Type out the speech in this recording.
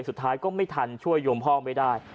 สุดท้ายก็ไม่ทันช่วยโยมพ่อไม่ได้